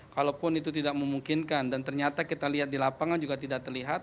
kalaupun itu tidak memungkinkan dan ternyata kita lihat di lapangan juga tidak terlihat